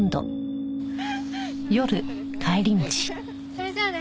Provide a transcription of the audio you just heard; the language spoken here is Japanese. それじゃあね。